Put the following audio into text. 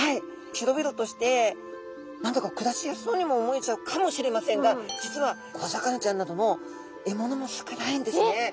広々として何だか暮らしやすそうにも思えちゃうかもしれませんが実は小魚ちゃんなどの獲物も少ないんですね。